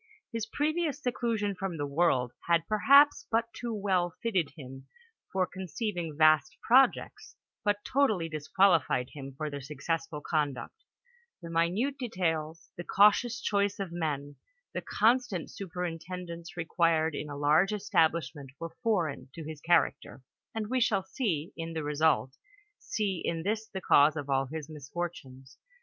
His previous seclu sion from the world had, perhaps, but too well fitted him for conceiving vast projects, but totally disqualified him for their successful conduct; the minute details, the cautious choice of men, the constant superintendence required in a large establishment, were foreign *'» his char(»ctcr, and we shall, in the result, see in this the cause of all his misfortunes.